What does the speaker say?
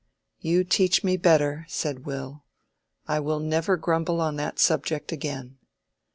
"You teach me better," said Will. "I will never grumble on that subject again."